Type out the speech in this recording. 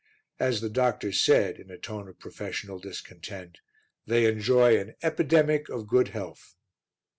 As the doctor said, in a tone of professional discontent, they enjoy an epidemic of good health.